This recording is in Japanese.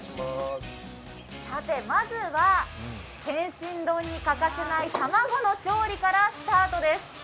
まずは天津丼に欠かせない卵の調理からスタートです。